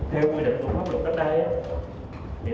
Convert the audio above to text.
theo quy định của pháp luật tất đai